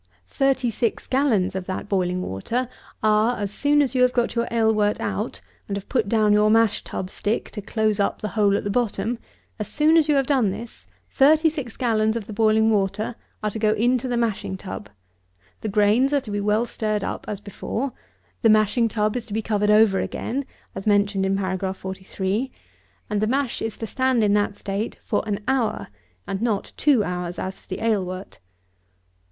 Thirty six gallons of that boiling water are, as soon as you have got your ale wort out, and have put down your mash tub stick to close up the hole at the bottom; as soon as you have done this, thirty six gallons of the boiling water are to go into the mashing tub; the grains are to be well stirred up, as before; the mashing tub is to be covered over again, as mentioned in Paragraph 43; and the mash is to stand in that state for an hour, and not two hours, as for the ale wort.